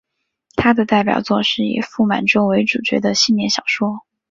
他的代表作是以傅满洲为主角的系列小说。